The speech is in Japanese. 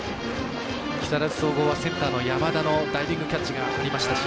木更津総合はセンターの山田のダイビングキャッチがありましたし。